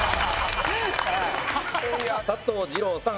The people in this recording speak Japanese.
佐藤二朗さん